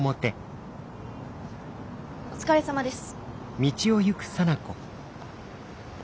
お疲れさまです。